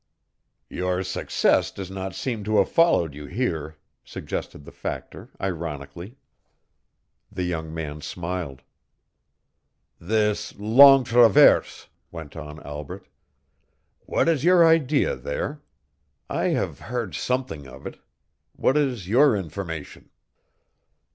"Your success does not seem to have followed you here," suggested the Factor, ironically. The young man smiled. "This Longue Traverse," went on Albret, "what is your idea there? I have heard something of it. What is your information?"